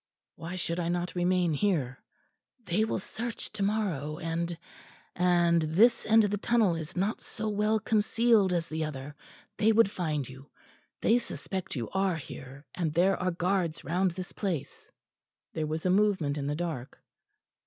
"Why should I not remain here?" "They will search to morrow and and this end of the tunnel is not so well concealed as the other. They would find you. They suspect you are here, and there are guards round this place." There was a movement in the dark.